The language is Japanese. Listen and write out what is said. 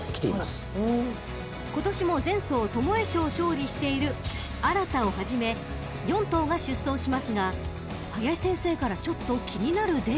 ［今年も前走巴賞を勝利しているアラタをはじめ４頭が出走しますが林先生からちょっと気になるデータが］